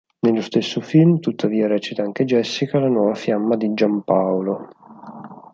Nello stesso film, tuttavia, recita anche Jessica, la nuova fiamma di Giampaolo.